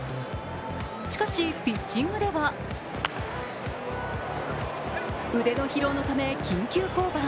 しかしピッチングでは腕の疲労のため、緊急降板。